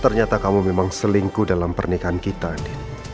ternyata kamu memang selingkuh dalam pernikahan kita di